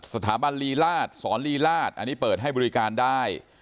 สถาบันลีราชสอนลีราชอันนี้เปิดให้บริการได้